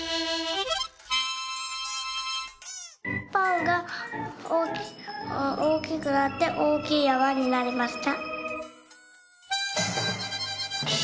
「パンがおおきくなっておおきいやまになりました」。